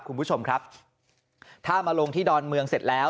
คุณผู้ชมครับถ้ามาลงที่ดอนเมืองเสร็จแล้ว